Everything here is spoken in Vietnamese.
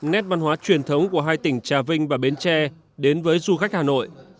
nét văn hóa truyền thống của hai tỉnh trà vinh và bến tre đến với du khách hà nội